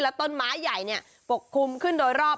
ต้นไม้ใหญ่ปกคลุมขึ้นโดยรอบ